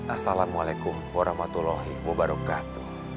assalamualaikum warahmatullahi wabarakatuh